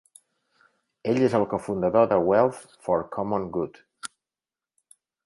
Ell és el cofundador de Wealth for Common Good.